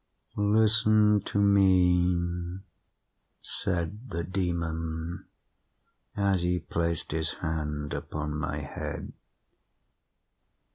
"Listen to me," said the Demon as he placed his hand upon my head.